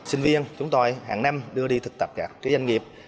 sinh viên chúng tôi hàng năm đưa đi thực tập các doanh nghiệp